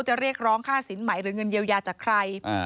เรียกร้องค่าสินใหม่หรือเงินเยียวยาจากใคร